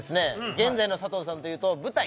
現在の佐藤さんというと舞台